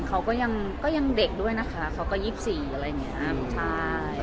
เขาก็ยังก็ยังเด็กด้วยนะคะเขาก็ยี่สี่อะไรอย่างเงี้ยครับใช่